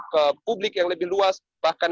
ke publik yang lebih luas bahkan